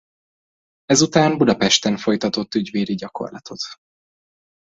Ezután Budapesten folytatott ügyvédi gyakorlatot.